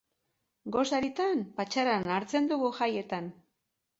Gosaritan patxarana hartzen dugu jaietan.